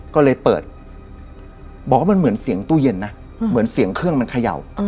ก็เลยเปิดบอกว่ามันเหมือนเสียงตู้เย็นนะเหมือนเสียงเครื่องมันเขย่า